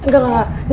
enggak enggak enggak